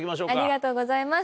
ありがとうございます。